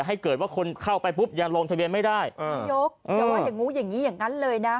ให้เกิดว่าคนเข้าไปปุ๊บยังลงทะเบียนไม่ได้เอออย่างงู้อย่างงี้อย่างงั้นเลยนะ